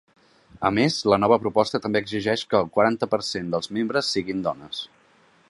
A més, la nova proposta també exigeix que el quaranta per cent dels membres siguin dones.